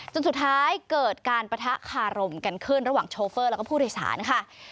สุดท้ายเกิดการปะทะคารมกันขึ้นระหว่างโชเฟอร์แล้วก็ผู้โดยสารค่ะ